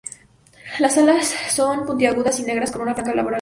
Las alas son puntiagudas y negras, con una franja loral negra.